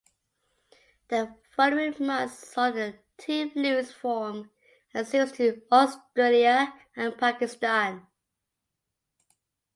The following months saw the team lose form, and series' to Australia and Pakistan.